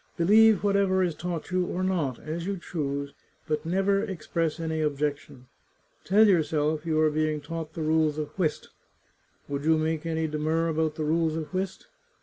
Believe whatever is taught you or not, as you choose, but never express any objection. Tell yourself you are being taught the rules of whist; would you make any demur about the rules of whist